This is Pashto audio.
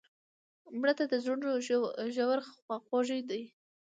مړه ته د زړونو ژوره خواخوږي ده